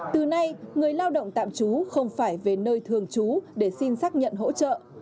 từ nay người lao động tạm trú không phải về nơi thường trú để xin xác nhận hỗ trợ